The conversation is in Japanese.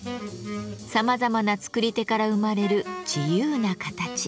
さまざまな作り手から生まれる自由な形。